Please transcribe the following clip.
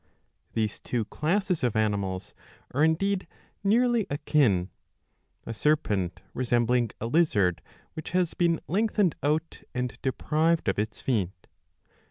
These two classes of animals are indeed nearly akin, a serpent resembling a lizard which has been lengthened out and deprived of its feet.